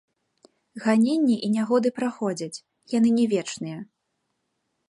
Ганенні і нягоды праходзяць, яны не вечныя.